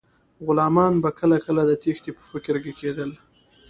غلامان به کله کله د تیښتې په فکر کې کیدل.